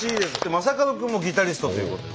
正門君もギタリストということで。